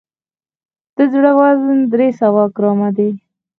د زړه وزن درې سوه ګرامه دی.